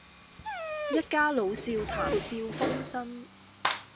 一家老少談笑風生